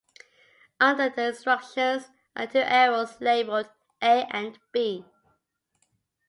Under the instructions are two arrows labeled "A" and "B".